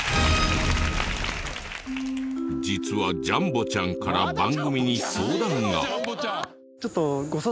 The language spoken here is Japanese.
実はじゃんぼちゃんから番組に相談が。